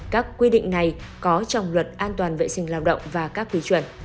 các quy định này có trong luật an toàn vệ sinh lao động và các quy chuẩn